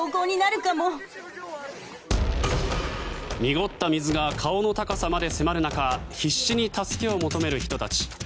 濁った水が顔の高さまで迫る中必死に助けを求める人たち。